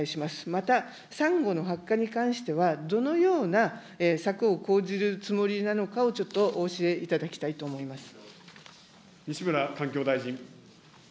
また、サンゴの白化に関しては、どのような策を講じるつもりなのかを、ちょっとお教えいただきたいと思います。